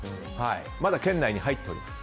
まだ圏内に入っております。